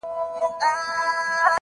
• فرعون غوټه د خپل زړه کړه ورته خلاصه -